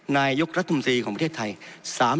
นายกรัฐมนตรีของประเทศไทย